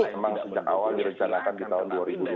memang sejak awal direncanakan di tahun dua ribu dua puluh